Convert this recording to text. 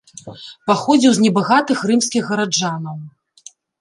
Паходзіў з небагатых рымскіх гараджанаў.